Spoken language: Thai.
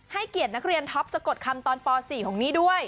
เกียรตินักเรียนท็อปสะกดคำตอนป๔ของนี่ด้วย